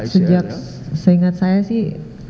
sejak seingat saya sih